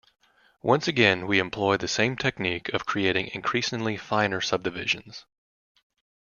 Once again we employ the same technique of creating increasingly finer subdivisions.